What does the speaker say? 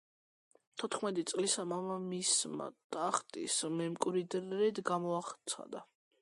თოთხმეტი წლისა მამამისმა ტახტის მემკვიდრედ გამოაცხადა.